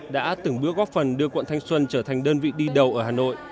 đã từng bước góp phần đưa quận thanh xuân trở thành đơn vị đi đầu ở hà nội